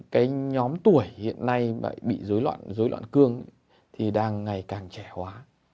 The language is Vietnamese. cái nhóm tuổi hiện nay bị dối loạn cương thì đang ngày càng trẻ hóa